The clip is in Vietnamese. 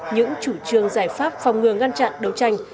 những chủ trương giải pháp phòng ngừa ngăn chặn đấu tranh